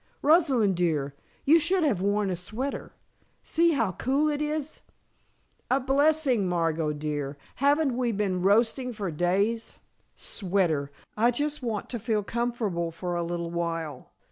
"Rosalind dear, you should have worn a sweater. See how cool it is " "A blessing, Margot dear. Haven't we been roasting for days? Sweater! I just want to feel comfortable for a little while.